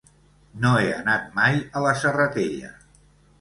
No he anat mai a la Serratella.